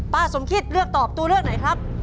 สมคิดเลือกตอบตัวเลือกไหนครับ